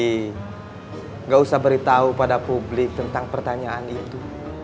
tidak usah beritahu pada publik tentang pertanyaan itu